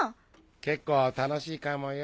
結構楽しいかもよ。